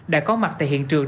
đã có mặt tại hiện trường